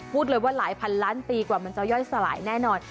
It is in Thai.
พูดเลยว่าหลายพันล้านปีกว่ามันจะย่อยสลายแน่นอน